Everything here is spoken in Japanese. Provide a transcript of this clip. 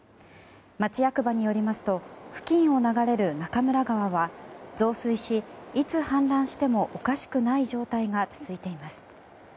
町役場によりますと付近を流れる中村川は増水しいつ氾濫してもおかしくない状態が続いています。